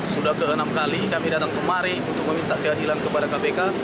sudah ke enam kali kami datang kemari untuk meminta keadilan kepada kpk